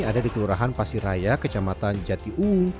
ada di kelurahan pasir raya kecamatan jatiung